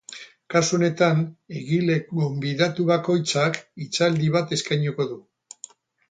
Kasu honetan, egile gonbidatu bakoitzak hitzaldi bat eskainiko du.